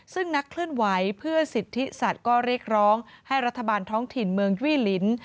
ซึ่งนักเคลื่อนไหวเพื่อสิทธิสัตว์ก็เรียกร้องให้รัฐบาลท้องถิ่นเมืองยี่ลิ้น